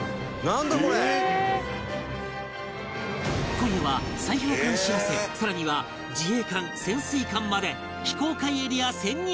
今夜は砕氷艦「しらせ」さらには自衛艦潜水艦まで非公開エリア潜入